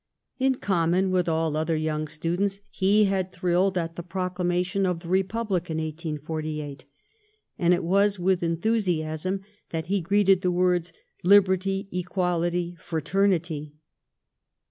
In common with all other young students, he had thrilled at the proclamation of the Republic in 1848, and it was with enthusiasm that he greeted the words, ''Liberty, Equality, Fra ternity."